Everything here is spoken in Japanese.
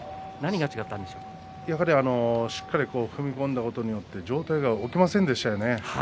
やっぱりしっかり踏み込んだことによって上体が起きませんでしたね。